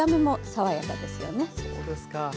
そうですか。